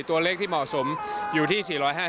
ตัวเลขที่เหมาะสมอยู่ที่๔๕๐